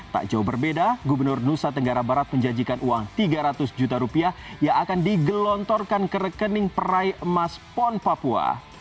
tak jauh berbeda gubernur nusa tenggara barat menjanjikan uang tiga ratus juta rupiah yang akan digelontorkan ke rekening peraih emas pon papua